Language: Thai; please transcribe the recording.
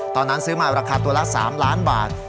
ตอนนั้นซื้อมาราคาตัวละ๓ล้านบาท